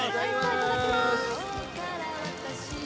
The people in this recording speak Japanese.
いただきます。